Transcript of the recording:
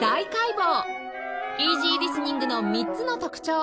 イージーリスニングの３つの特徴